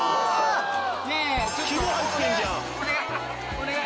お願い！